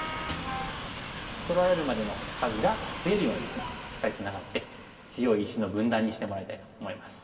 取られるまでの数が増えるようにしっかりつながって強い石の軍団にしてもらいたいと思います。